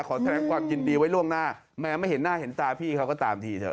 แสดงความยินดีไว้ล่วงหน้าแม้ไม่เห็นหน้าเห็นตาพี่เขาก็ตามทีเถอะ